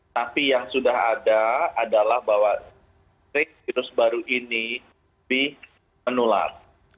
tapi yang sudah ada adalah bahwa virus baru ini lebih menular